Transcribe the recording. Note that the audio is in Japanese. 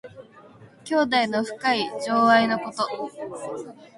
兄弟の深い情愛のこと。